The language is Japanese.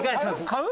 買う？